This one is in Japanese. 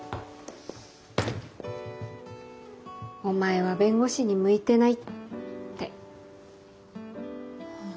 お前は弁護士に向いてないって。